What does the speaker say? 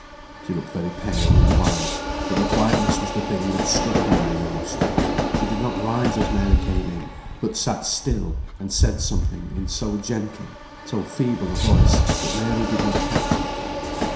She looked very pale and wan; but the quietness was the thing that struck Mary most. She did not rise as Mary came in, but sat still and said something in so gentle, so feeble a voice, that Mary did not catch it.